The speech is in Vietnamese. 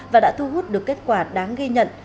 và đã thu hút được kết quả đáng ghi nhận